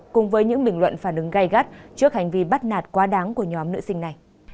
cùng với những bình luận phản ứng gây gắt trước hành vi bắt nạt quá đáng của nhóm nữ sinh này